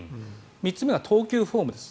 ３つ目は投球フォームです。